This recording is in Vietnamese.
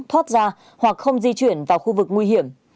thoát ra hoặc không di chuyển vào khu vực nguy hiểm